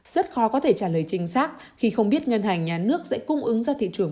rất khó có thể trả lời chính xác khi không biết ngân hàng nhà nước sẽ cung ứng ra thị trường